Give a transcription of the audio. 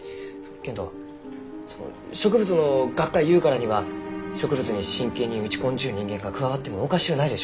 けんどその植物の学会ゆうからには植物に真剣に打ち込んじゅう人間が加わってもおかしゅうないでしょう。